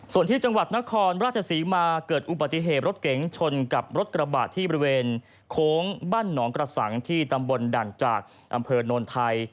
ส่วนที่จังหวัดนครราชศรีมาเกิดอุบัติเหตุรถเก๋งชนกับรถกระบะที่บริเวณโค้งบ้านหนองกระสังที่ตำบลด่านจากอำเภอโนนไทย